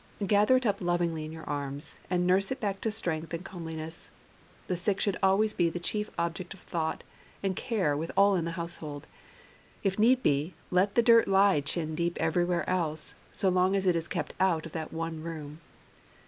Gather it up lovingly in your arms, and nurse it back to strength and comeliness. The sick should always be the chief object of thought and care with all in the household.' If need be, let the dirt lie chin deep everywhere else, so long as it is kept out of that one room.